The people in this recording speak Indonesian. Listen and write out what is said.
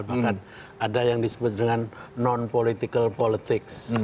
bahkan ada yang disebut dengan non political politics